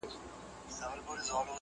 د څراغ تتي رڼا ته وه لیدلې -